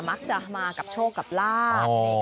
บางคนจะมากับโชคลาด